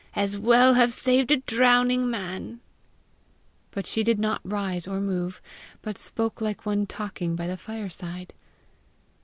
"As well have saved a drowning man!" She did not rise or move, but spoke like one talking by the fireside.